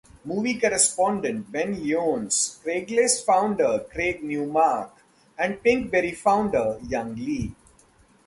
Movie Correspondent Ben Lyons, Craigslist founder Craig Newmark and Pinkberry founder Young Lee.